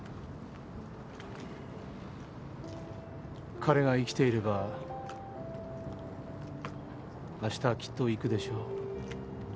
彼が生きていればあしたきっと行くでしょう。